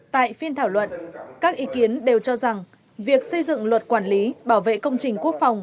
tại phiên thảo luận các ý kiến đều cho rằng việc xây dựng luật quản lý bảo vệ công trình quốc phòng